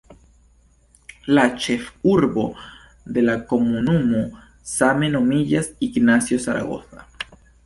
La ĉefurbo de la komunumo same nomiĝas "Ignacio Zaragoza".